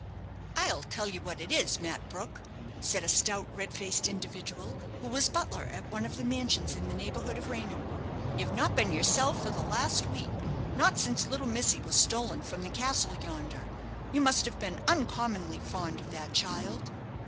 "I'll tell you what it is, Mat Brook," said a stout, red faced individual, who was butler at one of the mansions in the neighbourhood of Raynham, "you've not been yourself for the last week; not since little Missy was stolen from the castle yonder. You must have been uncommonly fond of that child."